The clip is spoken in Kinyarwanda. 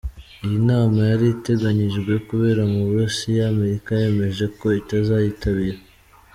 Iyi nama yari iteganyijwe kubera mu Burusiya, Amerika yemeje ko itazayitabira.